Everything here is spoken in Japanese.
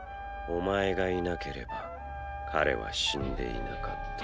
お前がいなければ彼は死んでいなかった。